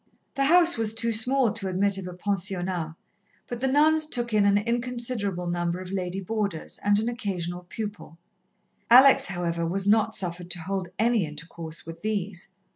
The house was too small to admit of a pensionnat, but the nuns took in an inconsiderable number of lady boarders, and an occasional pupil. Alex, however, was not suffered to hold any intercourse with these.